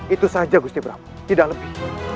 itu saja kusi prabu tidak lebih